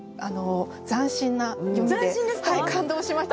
斬新な読みで感動しました。